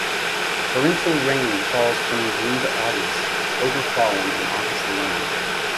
Torrential rain falls from June to August, with over falling in August alone.